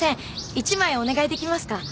１枚お願い出来ますか？